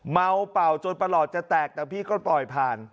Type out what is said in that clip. เมาเป่าจนประหลอดจะแตกแต่พี่ก็ปล่อยผ่าน